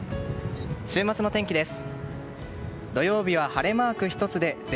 週末の天気です。